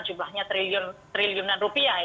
jumlahnya triliunan rupiah